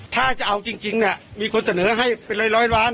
ถ้าจะเอาจริงเนี่ยมีคนเสนอให้เป็นร้อยล้าน